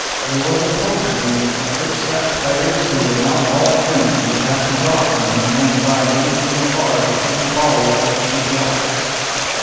There was a poker game at which sat players who were not all friends, as happens often where men ride in from afar to shoot Folly as she gallops.